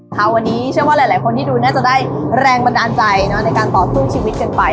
ค่ะวันนี้เชื่อว่าหลายคนที่ดูน่าจะได้แรงบันดาลใจในการต่อสู้ชีวิตกันไป